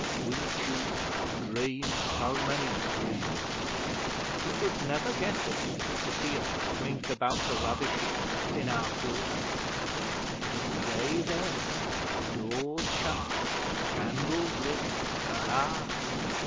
We Jews dream so many dreams. You would never guess it to see us slink about the rubbish heaps in our quarter; but at the day's end doors shut, candles lit aha!